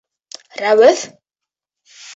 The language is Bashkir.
— Рәүеф?